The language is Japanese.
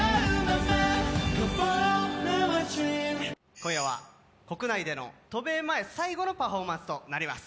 今夜は国内での渡米前最後のパフォーマンスとなります。